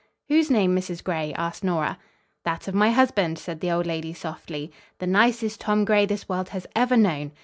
"Whose name, Mrs. Gray?" asked Nora. "That of my husband," said the old lady, softly. "The nicest Tom Gray this world has ever known."